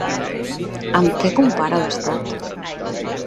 Amb què compara l'Estat?